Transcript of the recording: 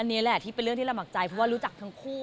อันนี้แหละที่เป็นเรื่องที่ระหมักใจเพราะว่ารู้จักทั้งคู่